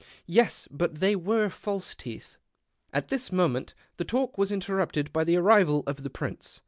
—" Yes, but they were false teeth.' At this moment the talk was interrupted by the arrival of the Prince.